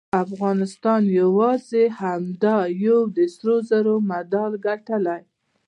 افغانستان یواځې همدا یو د سرو زرو مډال ګټلی